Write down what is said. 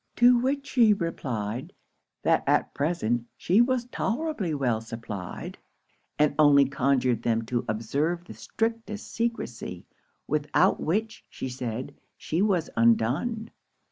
To which she replied, that at present she was tolerably well supplied, and only conjured them to observe the strictest secresy, without which, she said, she was undone.